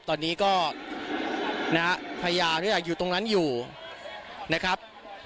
ตอนนี้ก็พยายามที่จะอยู่ตรงนั้นอยู่นะครับ